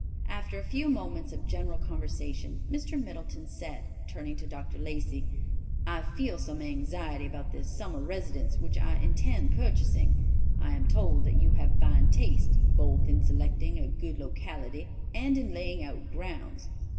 After a few moments of general conversation, Mr. Middleton said, turning to Dr. Lacey, "I feel some anxiety about this summer residence which I intend purchasing. I am told that you have fine taste both in selecting a good locality and in laying out grounds.